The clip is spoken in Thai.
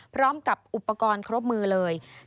พร้อมกับอุปกรณ์ครบมือเลย